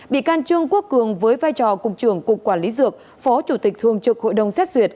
bị can trương quốc cường với vai trò cục trưởng cục quản lý dược phó chủ tịch thường trực hội đồng xét duyệt